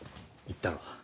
言ったろ。